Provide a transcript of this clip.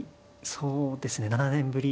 そうですね７年ぶり